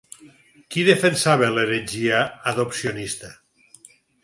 Qui defensava l'heretgia adopcionista?